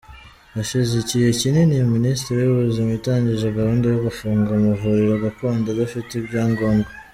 Hashize igihe kinini Minisiteri y’Ubuzima itangije gahunda yo gufunga amavuriro gakondo adafite ibyangombwa.